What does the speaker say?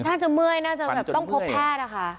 น่าจะเมื่อยน่าจะแบบต้องครบแห้นะคะ